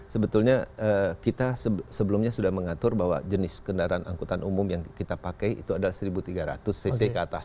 sebetulnya kita sebelumnya sudah mengatur bahwa jenis kendaraan angkutan umum yang kita pakai itu adalah seribu tiga ratus cc ke atas